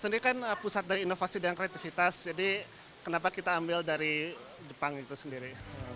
sendiri kan pusat dari inovasi dan kreativitas jadi kenapa kita ambil dari jepang itu sendiri